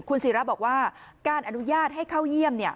คุณศิราบอกว่าการอนุญาตให้เข้าเยี่ยม